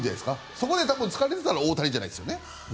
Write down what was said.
そこで疲れていたら大谷じゃないですよね。